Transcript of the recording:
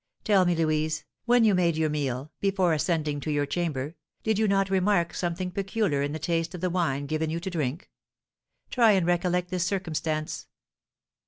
Tell me, Louise, when you made your meal, before ascending to your chamber, did you not remark something peculiar in the taste of the wine given you to drink? Try and recollect this circumstance."